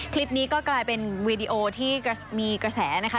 คลิปนี้ก็กลายเป็นวีดีโอที่มีกระแสนะคะ